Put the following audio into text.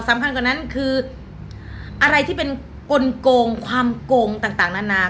สำคัญกว่านั้นคืออะไรที่เป็นกลงความโกงต่างนานา